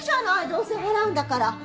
どうせ払うんだから。